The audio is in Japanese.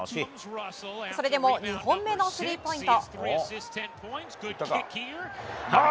それでも２本目のスリーポイント。